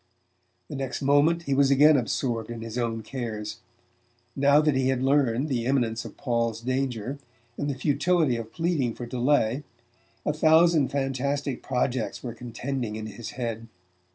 The next moment he was again absorbed in his own cares. Now that he had learned the imminence of Paul's danger, and the futility of pleading for delay, a thousand fantastic projects were contending in his head.